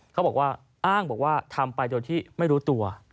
เขาบอกว่าอ้างบอกว่าทำไปโดยที่ไม่รู้ตัว